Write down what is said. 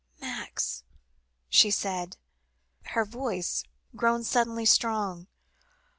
"Max," she said, her voice grown suddenly strong.